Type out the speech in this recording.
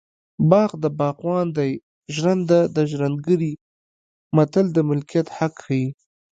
باغ د باغوان دی ژرنده د ژرندګړي متل د ملکیت حق ښيي